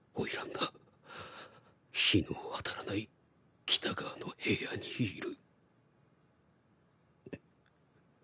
日の当たらない北側の部屋にいる。